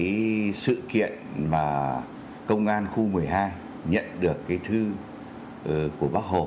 cái sự kiện mà công an khu một mươi hai nhận được cái thư của bác hồ